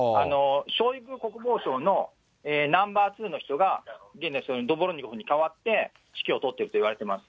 ショイグ国防相のナンバー２の人が現在、ドボルニコフに代わって指揮を執っているといわれています。